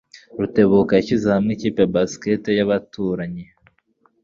Rutebuka yashyize hamwe ikipe ya basketball yabaturanyi.